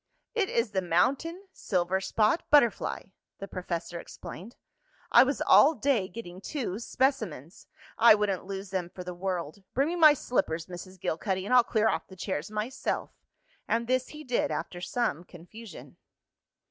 "It is the mountain silverspot butterfly," the professor explained. "I was all day getting two specimens. I wouldn't lose them for the world. Bring me my slippers, Mrs. Gilcuddy, and I'll clear off the chairs myself," and this he did after some confusion.